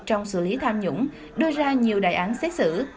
trong xử lý tham nhũng đưa ra nhiều đại án xét xử